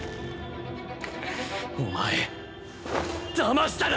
お前だましたな！